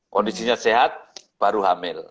kondisinya sehat baru hamil